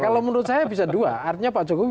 kalau menurut saya bisa dua artinya pak jokowi